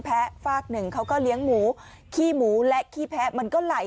ฝากหนึ่งเขาก็เลี้ยงหมูขี้หมูและขี้แพ้มันก็ไหล